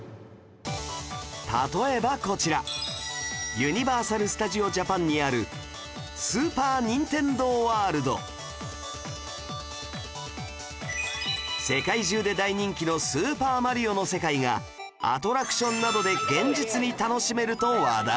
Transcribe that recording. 例えばこちらユニバーサル・スタジオ・ジャパンにある世界中で大人気の『スーパーマリオ』の世界がアトラクションなどで現実に楽しめると話題に！